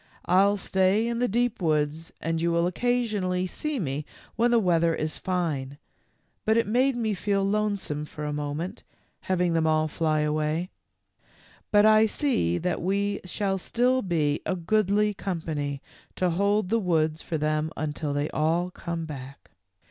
I'll stay in the deep woods and you will occasionally see me when the weather is fine, but it made me feel lonesome for a moment, having them all fly away ; but I see that we shall still be a goodly company to hold the woods for them until they all come back."